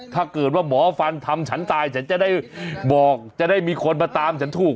ถ้าเกิดว่าหมอฟันทำฉันตายฉันจะได้บอกจะได้มีคนมาตามฉันถูก